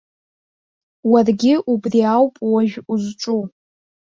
Уаргьы убри ауп уажә узҿу.